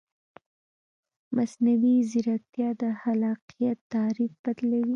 مصنوعي ځیرکتیا د خلاقیت تعریف بدلوي.